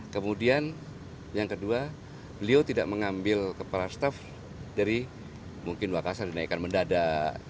kemudian yang kedua beliau tidak mengambil kepala staf dari mungkin wakasa dinaikan mendadak